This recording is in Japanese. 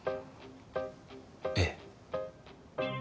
ええ